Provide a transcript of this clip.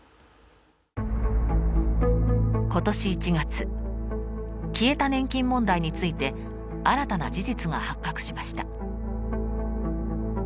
今年１月消えた年金問題について新たな事実が発覚しました。